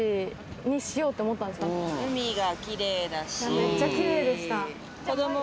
めっちゃキレイでした。